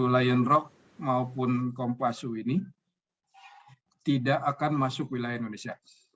lion rock maupun kompasu ini tidak akan masuk wilayah indonesia